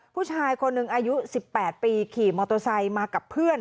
ผู้ชายคนหนึ่งอายุ๑๘ปีขี่มอเตอร์ไซค์มากับเพื่อน